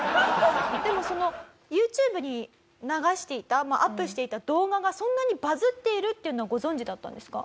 でもそのユーチューブに流していたアップしていた動画がそんなにバズっているっていうのはご存じだったんですか？